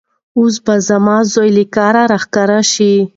اوس به زما زوی له کاره راښکاره شي.